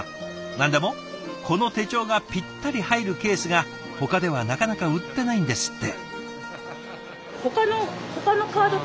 何でもこの手帳がピッタリ入るケースがほかではなかなか売ってないんですって。